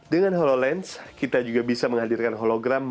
dengan hololens kita juga bisa menghadirkan hologram